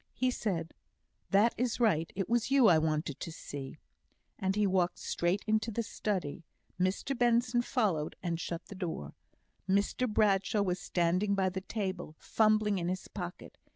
He said, "That is right. It was you I wanted to see." And he walked straight into the study. Mr Benson followed, and shut the door. Mr Bradshaw was standing by the table, fumbling in his pocket.